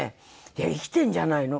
「いや生きてんじゃないの？」